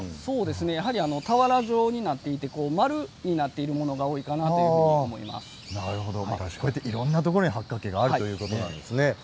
やはり俵状になっていて円になっているものがいろいろなところに八角形があるということなんですね。